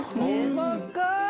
細かい。